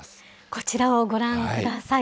こちらをご覧ください。